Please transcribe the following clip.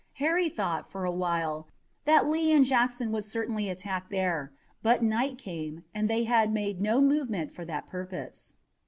Harry thought, for a while, that Lee and Jackson would certainly attack there, but night came and they had made no movement for that purpose.